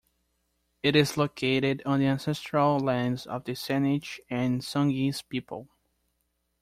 It is located on the ancestral lands of the Saanich and Songhees people.